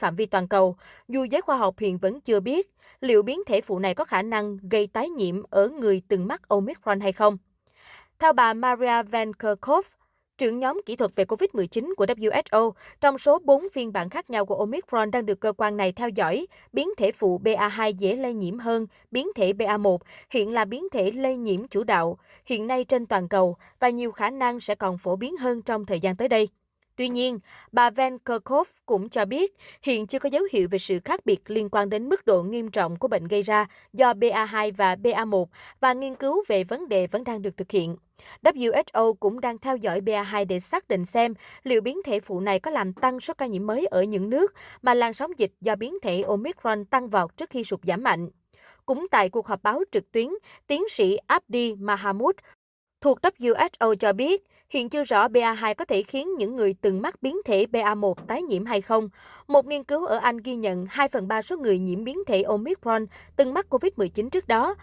một nghiên cứu ở anh ghi nhận hai phần ba số người nhiễm biến thể omicron từng mắc covid một mươi chín trước đó